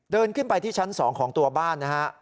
เดินขึ้นไปที่ชั้น๒ของตัวบ้านนะฮะ